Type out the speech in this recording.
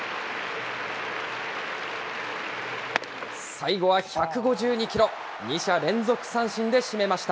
最後は１５２キロ、２者連続三振で締めました。